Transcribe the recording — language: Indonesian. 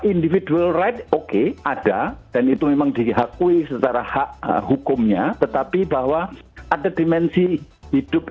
individual right oke ada dan itu memang dihakui secara hak hukumnya tetapi bahwa ada dimensi hidup